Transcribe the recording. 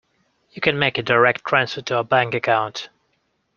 You can make a direct transfer to our bank account.